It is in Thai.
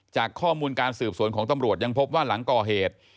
จากข้อมูลการสืบสวนของตำรวจยังพบว่าหลังก่อเหตุ